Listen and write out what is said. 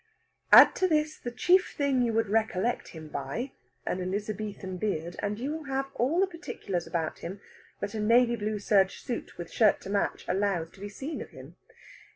Add to this the chief thing you would recollect him by, an Elizabethan beard, and you will have all the particulars about him that a navy blue serge suit, with shirt to match, allows to be seen of him.